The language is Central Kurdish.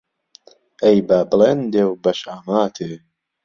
ئهی به بڵێندێ و به شاماتێ